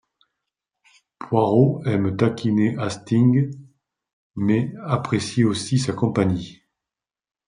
Poirot aime taquiner Hastings, mais apprécie aussi sa compagnie.